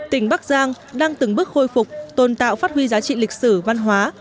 tỉnh bắc giang đang từng bước khôi phục tồn tạo phát huy giá trị lịch sử văn hóa